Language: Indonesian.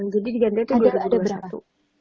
jadi digantikan itu dua ribu dua puluh satu